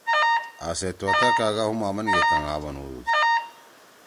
آ سے طوطا کاگا ہُم آمنگے کنگھا بنُودُود۔